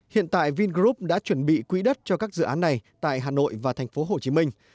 hiện tại vingroup đã chuẩn bị quỹ đất cho các dự án này tại hà nội và thành phố hồ chí minh